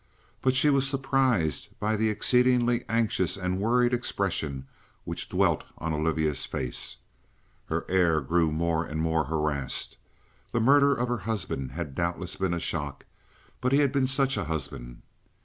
But she was surprised by the exceedingly anxious and worried expression which dwelt on Olivia's face. Her air grew more and more harassed. The murder of her husband had doubtless been a shock, but he had been such a husband.